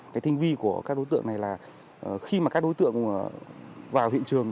cái tinh vi của các đối tượng này là khi mà các đối tượng vào hiện trường